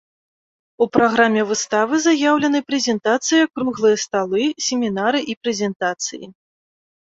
У праграме выставы заяўлены прэзентацыі, круглыя сталы, семінары і прэзентацыі.